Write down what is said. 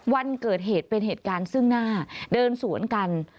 วันเกิดเหตุเป็นเหตุการณ์ซึ่งหน้าเดินสวนกัน